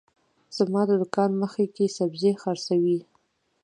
زما د دوکان مخه کي سبزي حرڅوي